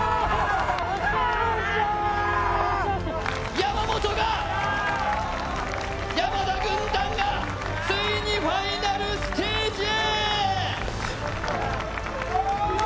山本が、山田軍団がついにファイナルステージへ。